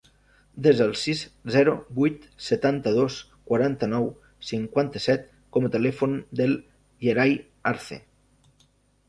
Desa el sis, zero, vuit, setanta-dos, quaranta-nou, cinquanta-set com a telèfon del Yeray Arce.